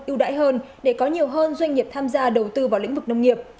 ưu đãi hơn để có nhiều hơn doanh nghiệp tham gia đầu tư vào lĩnh vực nông nghiệp